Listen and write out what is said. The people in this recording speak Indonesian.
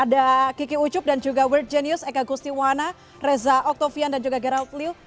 ada kiki ucuk dan juga world genius eka gustiwana reza oktavian dan juga gerald liu